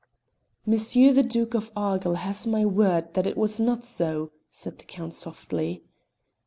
"Monsieur the Duke of Argyll has my word that it was not so," said the Count softly.